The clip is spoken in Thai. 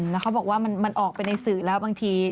แล้วเขาบอกว่ามันออกไปในสื่อแล้วบางที